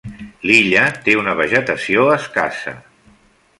L'illa té una vegetació escassa.